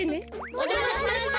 おじゃましました。